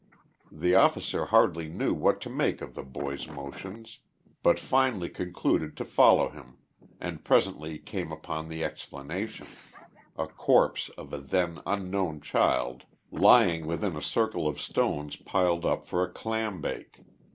The officer hardly knew what to make of the boy's motions, but finally concluded to follow him, and presently came upon the explanation, the corpse of a then unknown child, lying within a circle of stones piled up for a clam bake.